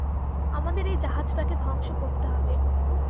আমাদের এই জাহাজটাকে ধ্বংস করতে হবে।